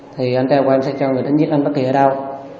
thì anh trai của em sẽ cho người đến giết anh bất kỳ ở đâu